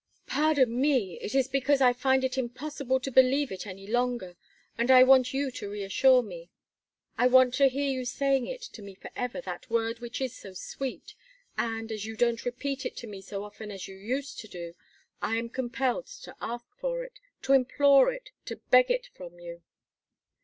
"Pardon me. It is because I find it impossible to believe it any longer, and I want you to reassure me; I want to hear you saying it to me forever that word which is so sweet; and, as you don't repeat it to me so often as you used to do, I am compelled to ask for it, to implore it, to beg for it from you."